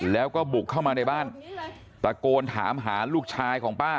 แล้วก็บุกเข้ามาในบ้านตะโกนถามหาลูกชายของป้า